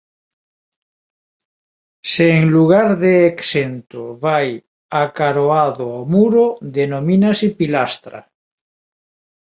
Se en lugar de exento vai acaroado ao muro denomínase pilastra.